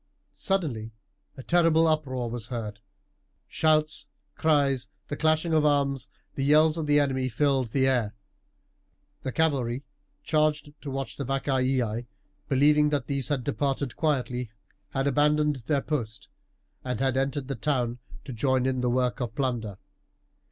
Suddenly a terrible uproar was heard shouts, cries, the clashing of arms, the yells of the enemy, filled the air. The cavalry charged to watch the Vacaei, believing that these had departed quietly, had abandoned their post, and had entered the town to join in the work of plunder.